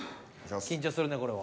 緊張するねこれは。